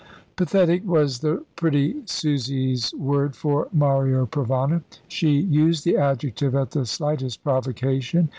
"Pathetic" was the pretty Susie's word for Mario Provana. She used the adjective at the slightest provocation.